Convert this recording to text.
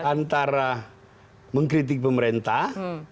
antara mengkritik pemerintah